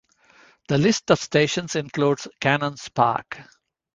The list of stations includes Canons Park.